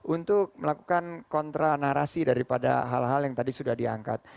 untuk melakukan kontra narasi daripada hal hal yang tadi sudah diangkat